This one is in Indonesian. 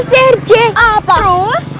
sergi apa terus